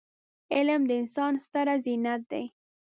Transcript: علم د انسان ستره زينت دی.